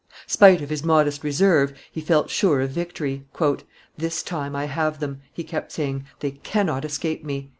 Spite of his modest reserve, he felt sure of victory. "This time I have them," he kept saying; "they cannot escape me."